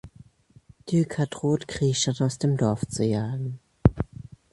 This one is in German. Düker droht, Krischan aus dem Dorf zu jagen.